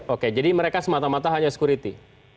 oke jadi mereka semata mata hanya security